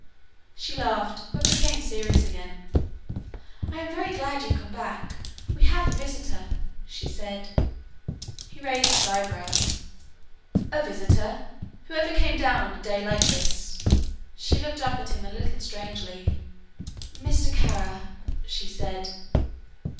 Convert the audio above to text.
She laughed, but became serious again. "I am very glad you've come back. We have a visitor," she said. He raised his eyebrows. "A visitor? Whoever came down on a day like this?" She looked at him a little strangely. "Mr. Kara," she said.